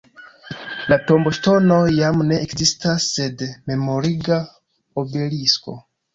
La tomboŝtonoj jam ne ekzistas sed memoriga obelisko.